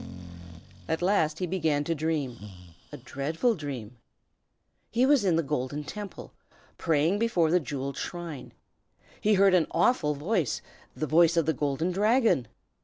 At last he began to dream, a dreadful dream. He was in the Golden Temple, praying before the Jewelled Shrine. He heard an awful voice, the voice of the Golden Dragon.